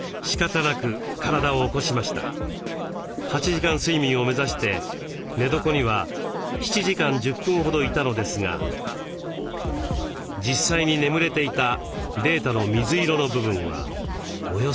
８時間睡眠を目指して寝床には７時間１０分ほどいたのですが実際に眠れていたデータの水色の部分はおよそ４時間しかありません。